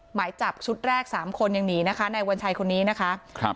หมายจับชุดแรก๓คนอย่างนี้นะคะในวันชัยคนนี้นะคะ